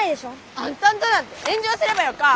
あんたんとなんてえん上すればよか。